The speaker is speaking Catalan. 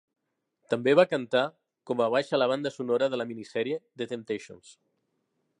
També va cantar com a baix a la banda sonora de la minisèrie "The Temptations".